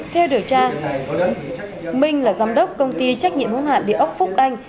theo điều tra minh là giám đốc công ty trách nhiệm hữu hạn địa ốc phúc anh